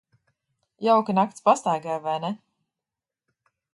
Jauka nakts pastaigai, vai ne?